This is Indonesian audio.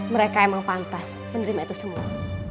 mereka emang pantas menerima itu semua